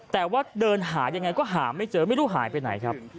แต่ว่าเดินหายังไงก็หาไม่เจอไม่รู้หายไปไหนครับ